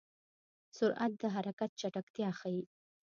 سرعت د حرکت چټکتیا ښيي.